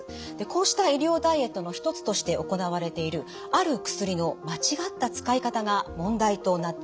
こうした医療ダイエットの一つとして行われているある薬の間違った使い方が問題となっています。